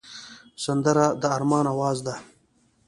سندره د ارمان آواز دی